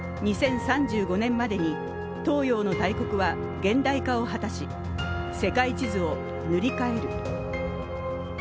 ２０３５年までに東洋の大国は現代化を果たし、世界地図を塗り替える。